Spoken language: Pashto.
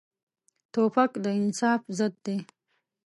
توپک د انصاف ضد دی.